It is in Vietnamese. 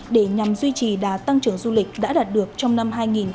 để nhằm duy trì đà tăng trưởng du lịch đã đạt được trong năm hai nghìn hai mươi ba